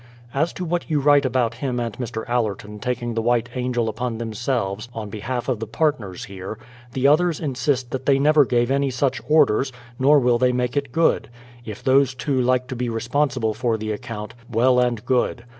As to what you write about hini and Mr. Allerton 227 228 BRADFORD'S HISTORY OF taking the White Angel upon themselves on behalf of the partners here, the others insist that they never gave any such orders, nor will they make it good ; if those two like to be responsible for the account, well and good.